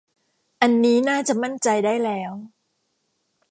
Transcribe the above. อันนี้น่าจะมั่นใจได้แล้ว